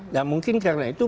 dan mungkin karena itu